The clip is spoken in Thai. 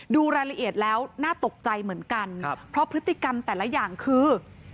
ดูรายละเอียดแล้วน่าตกใจเหมือนกันเพราะพฤติกรรมแต่ละอย่างคือ